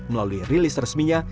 melalui rilis resminya